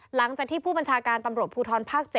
หลังจากที่ผู้บัญชาการตำรวจภูทรภาค๗